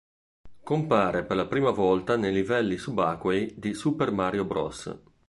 Compare per la prima volta nei livelli subacquei di "Super Mario Bros.